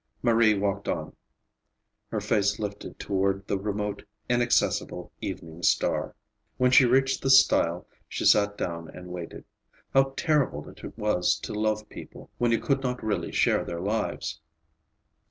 Marie walked on, her face lifted toward the remote, inaccessible evening star. When she reached the stile she sat down and waited. How terrible it was to love people when you could not really share their lives!